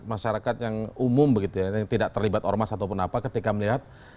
masyarakat yang umum begitu ya yang tidak terlibat ormas ataupun apa ketika melihat